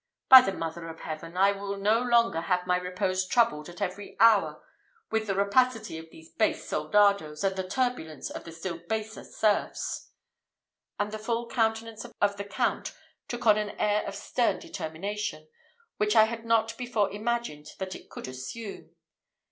By the Mother of Heaven! I will no longer have my repose troubled at every hour with the rapacity of these base soldados, and the turbulence of the still baser serfs." And the full countenance of the Count took on an air of stern determination, which I had not before imagined that it could assume.